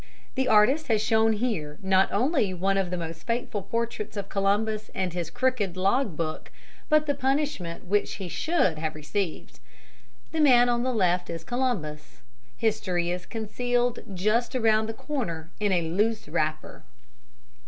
The artist has shown here not only one of the most faithful portraits of Columbus and his crooked log book, but the punishment which he should have received. The man on the left is Columbus; History is concealed just around the corner in a loose wrapper.